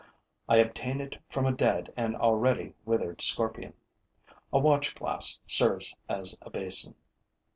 I obtain it from a dead and already withered scorpion. A watch glass serves as a basin.